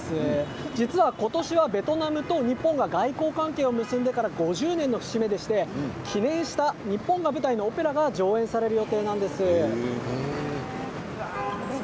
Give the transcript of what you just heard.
実は今年はベトナムと日本が外交関係を結んでから５０年の節目でして記念した日本が舞台のオペラが上演される予定なんです。